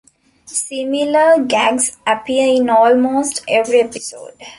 Similar gags appear in almost every episode.